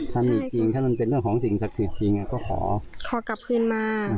ถ้ามีจริงถ้ามันเป็นเรื่องของสิ่งศักดิ์สิทธิ์จริงก็ขอขอกลับคืนมา